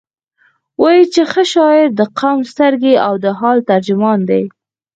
وایي چې ښه شاعر د قوم سترګې او د حال ترجمان دی.